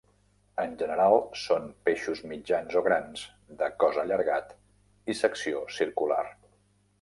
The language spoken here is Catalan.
En general són peixos mitjans o grans, de cos allargat i secció circular.